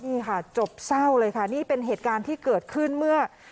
นี่ค่ะจบเศร้าเลยค่ะนี่เป็นเหตุการณ์ที่เกิดขึ้นเมื่อ